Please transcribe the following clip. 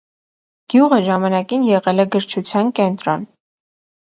Գյուղը ժամանակին եղել է գրչության կենտրոն։